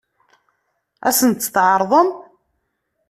Ad sen-tt-tɛeṛḍem?